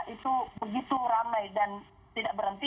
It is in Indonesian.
itu begitu ramai dan tidak berhenti